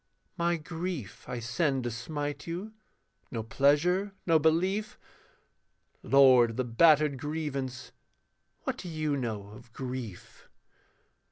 My grief I send to smite you, no pleasure, no belief, Lord of the battered grievance, what do you know of grief?